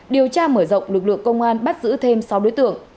điều tra mở rộng lực lượng công an bắt giữ thêm sáu đối tượng